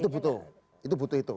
itu butuh itu butuh itu